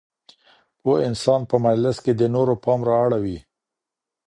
پوه انسان په مجلس کي د نورو پام رااړوي.